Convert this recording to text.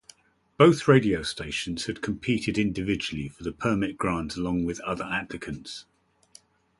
Both radio stations had competed individually for the permit grant along with other applicants.